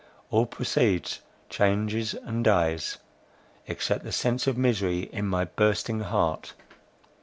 All proceeds, changes and dies, except the sense of misery in my bursting heart.